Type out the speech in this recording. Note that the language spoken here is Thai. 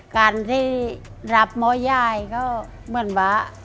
การที่รับหม้อยายก็เหมือนว่า